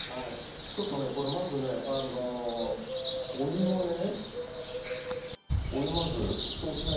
ちょっとねこれまずねお湯をね